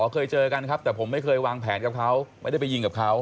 เคยเจอกันครับแต่ผมไม่เคยวางแผนกับเขาไม่ได้ไปยิงกับเขา